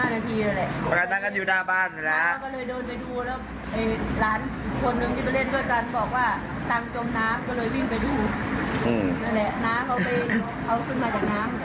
นั่นแหละน้าเขาไปเอาขึ้นมาจากน้ำ